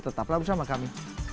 tetaplah bersama kami